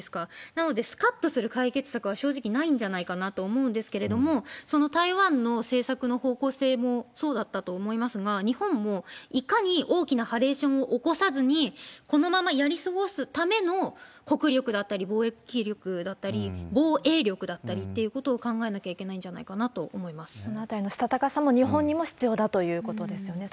なので、すかっとする解決策は正直ないんじゃないかなと思うんですけれども、その台湾の政策の方向性もそうだったと思いますが、日本もいかに大きなハレーションを起こさずに、このままやり過ごすための国力だったり貿易力だったり、防衛力だったりっていうことを考えなきゃいけないんじゃないかなそのあたりのしたたかさも、日本にも必要だということですよね。